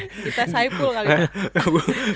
gita saiful lah gitu